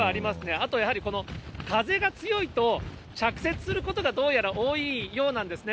あとやはり、風が強いと、着雪することが、どうやら多いようなんですね。